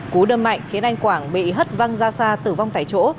cú đâm mạnh khiến anh quảng bị hất văng ra xa tử vong tại chỗ